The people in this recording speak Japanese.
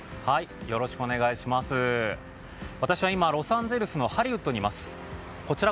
私は今、ロサンゼルスのハリウッドにいます。